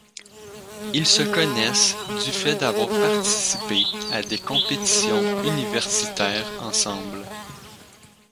Ils se connaissent du fait d'avoir participé à des compétitions universitaires ensemble.